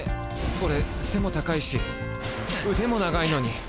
オレ背も高いし腕も長いのに。